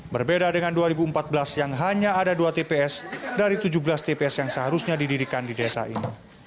berbeda dengan dua ribu empat belas yang hanya ada dua tps dari tujuh belas tps yang seharusnya didirikan di desa ini